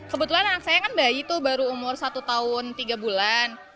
kebetulan anak saya kan bayi tuh baru umur satu tahun tiga bulan